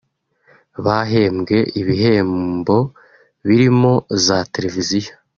bahembwe ibihembo birimo za televiziyo